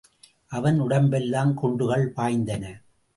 அவன் உடலெல்லாம் குண்டுகள் பாய்ந்தன.